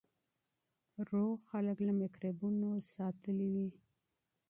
سالم خلک له میکروبونو محفوظ وي.